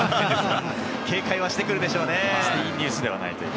警戒してくるでしょうね。